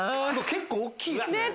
結構大っきいですね。